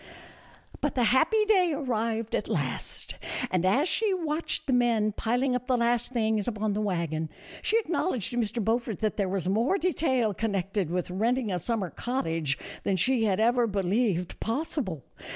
But the happy day arrived at last, and, as she watched the men piling up the last things upon the wagon, she acknowledged to Mr. Beaufort that there was more detail connected with renting a summer cottage than she had ever believed possible.